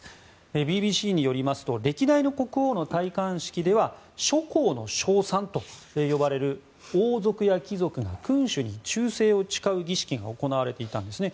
ＢＢＣによりますと歴代の国王の戴冠式では諸侯の称賛と呼ばれる王族や貴族が君主に忠誠を誓う儀式が行われていたんですね。